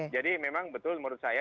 jadi memang betul menurut saya